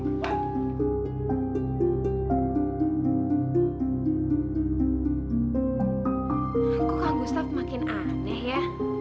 kok kang gustaf makin aneh ya